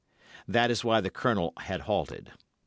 That is why the Colonel had halted.